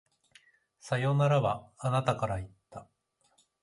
さよならは、あなたから言った。